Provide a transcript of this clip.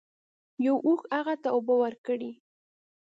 یو اوښ هغه ته اوبه ورکړې.